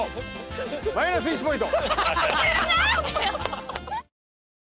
マイナス１ポイント。